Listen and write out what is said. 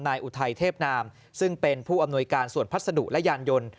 อุทัยเทพนามซึ่งเป็นผู้อำนวยการส่วนพัสดุและยานยนต์